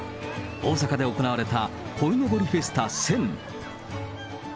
大阪で行われた、こいのぼりフェスタ１０００。